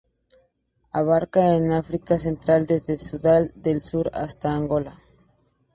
Abarca el África Central desde Sudán del Sur hasta Angola.